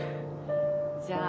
じゃあ。